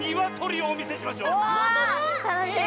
たのしみ！